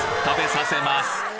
食べさせます